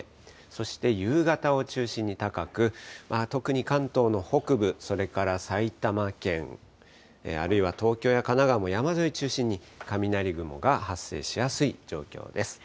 そして夕方を中心に高く、特に関東の北部、それから埼玉県、あるいは東京や神奈川も山沿い中心に雷雲が発生しやすい状況です。